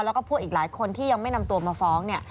และพวกอีกหลายคนที่ยังไม่นำตัวมาฟ้อง